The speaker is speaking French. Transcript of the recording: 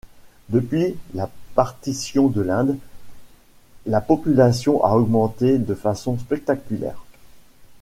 Depuis la Partition de l'Inde, la population a augmenté de façon spectaculaire.